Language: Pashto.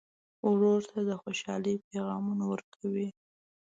ورور ته د خوشحالۍ پیغامونه ورکوې.